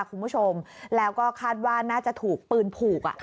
คุณผู้ชมแล้วก็คาดว่าน่าจะถูกปืนผูก